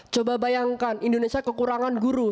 coba bayangkan indonesia kekurangan guru